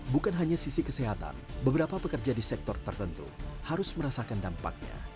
bukan hanya sisi kesehatan beberapa pekerja di sektor tertentu harus merasakan dampaknya